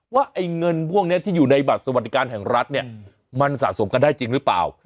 ว่าไอ้เงินพวกนี้ที่อยู่ในบัตรสวัสดิการแห่งรัฐเนี่ยมันสะสมกันได้จริงหรือเปล่า